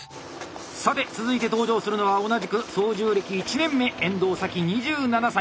さて続いて登場するのは同じく操縦歴１年目遠藤咲２７歳。